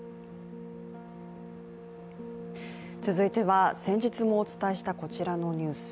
続いては、先日もお伝えしたこちらのニュース。